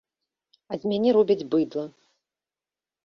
А з мяне робяць быдла.